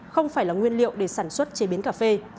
không phải là nguyên liệu để sản xuất chế biến cà phê